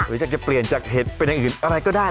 อยากจะเปลี่ยนจากเห็ดเป็นอย่างอื่นอะไรก็ได้